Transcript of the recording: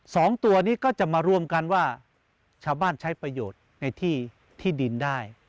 สองตัวนี้ก็จะมารวมกันว่าชาวบ้านใช้ประโยชน์ในที่ที่ดินได้